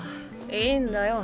いいんだよ。